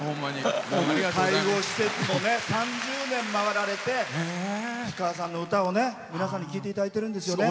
介護施設を３０年回られて氷川さんの歌を皆さんに聴いていただいてるんですよね。